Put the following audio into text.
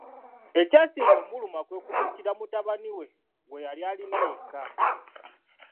Ekyasinga okumuluma kwe kumuttira mutabani we gwe yali alina yekka.